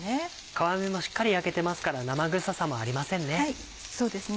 皮目もしっかり焼けてますから生臭さもありませんね。